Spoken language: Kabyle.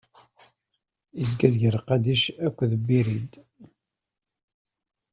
izga-d gar Qadic akked Birid.